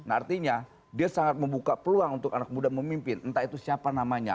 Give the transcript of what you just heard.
artinya dia sangat membuka peluang untuk anak muda memimpin entah itu siapa namanya